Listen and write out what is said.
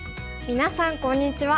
みなさんこんにちは。